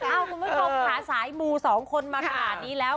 คุณผู้ชมค่ะสายมูสองคนมาขนาดนี้แล้ว